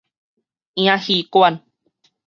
影戲館